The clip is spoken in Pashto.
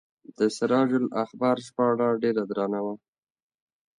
د سراج الاخبار ژباړه ډیره درنه وه.